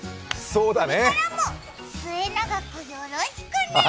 そうだねー。